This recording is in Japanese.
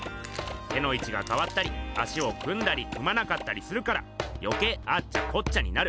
手のいちがかわったり足を組んだり組まなかったりするからよけいアッチャコッチャになる。